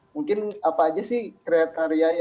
mungkin apa aja sih kriterianya